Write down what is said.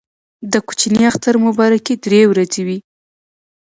د کوچني اختر مبارکي درې ورځې وي.